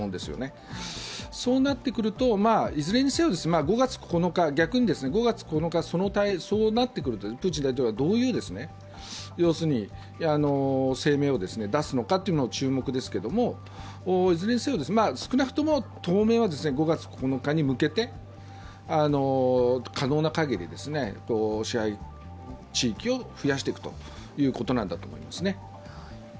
逆にそうなってくると、いずれにせよ、５月９日、プーチン大統領はどういう声明を出すのかは注目ですけども、いずれにせよ少なくとも当面は５月９日に向けて可能な限り支配地域を増やしていくということなんだと思いますね。